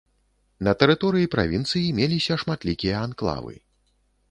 На тэрыторыі правінцыі меліся шматлікія анклавы.